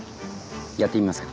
やってみますか？